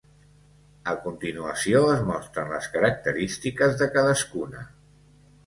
A continuació es mostren les característiques de cadascuna.